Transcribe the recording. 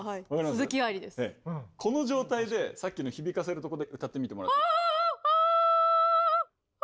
この状態でさっきの響かせるとこで歌ってみてもらって。